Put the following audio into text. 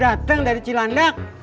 dateng dari cilandak